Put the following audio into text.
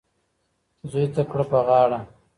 زوی ته کړه په غاړه